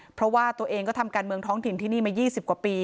เพราะว่าตัวเองก็ทำการเมืองท้องถิ่นที่นี่มา๒๐กว่าปี